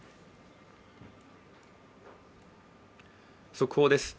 速報です。